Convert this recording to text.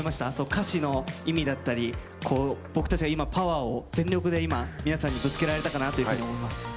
歌詞の意味だったり僕たちが今パワーを全力で今、皆さんにぶつけられたかなと思いました。